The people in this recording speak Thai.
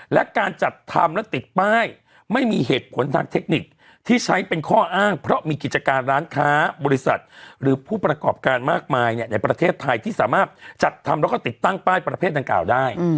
และการจัดทำและติดป้ายไม่มีเหตุผลทางเทคนิคที่ใช้เป็นข้ออ้างเพราะมีกิจการร้านค้าบริษัทหรือผู้ประกอบการมากมายในประเทศไทยที่สามารถจัดทำแล้วก็ติดตั้งป้ายประเภทดังกล่าวได้